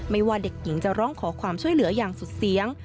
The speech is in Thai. ว่าเด็กหญิงจะร้องขอความช่วยเหลืออย่างสุดเสียง